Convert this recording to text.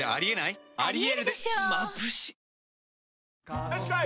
よしこい！